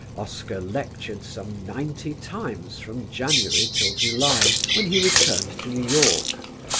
Oscar lectured some ninety times from January till July, when he returned to New York.